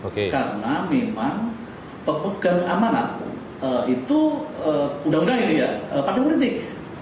karena memang pepegang amanah itu udah udah ya partai politik